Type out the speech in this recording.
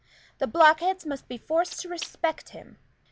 The blockheads must be forced to respect him.